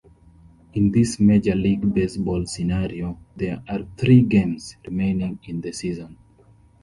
In this Major League Baseball scenario, there are three games remaining in the season.